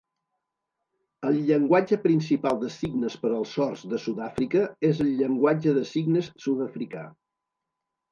El llenguatge principal de signes per als sords de Sud-àfrica és el llenguatge de signes sud-africà.